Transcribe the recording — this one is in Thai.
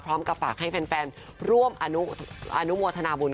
พร้อมกับฝากให้แฟนร่วมอนุโมทนาบุญ